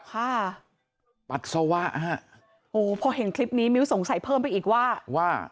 ปัสสาวะฮะโหพอเห็นคลิปนี้มิ้วสงสัยเพิ่มไปอีกว่าว่า